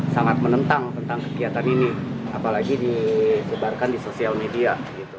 sangat menentang tentang kegiatan ini apalagi disebarkan di sosial media